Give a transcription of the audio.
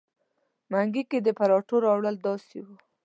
منګي کې د پراټو راوړل داسې وو.